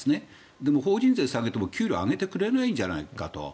でも法人税を下げても給料を上げてくれないじゃないかと。